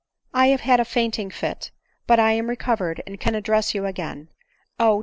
"[ have had a fainting fit — but I am recovered, and can address you again. — Oh !